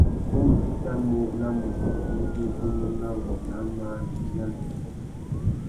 Ku i tà mú na mutu u zu ugunú na wô nà māh nitina na yôbôt.